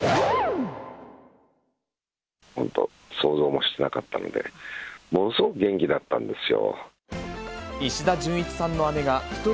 本当、想像もしてなかったので、ものすごく元気だったんですよ。